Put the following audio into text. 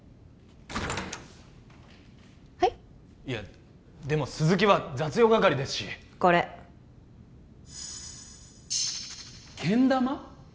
いやでも鈴木は雑用係ですしこれけん玉？